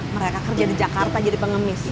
mereka kerja di jakarta jadi pengemis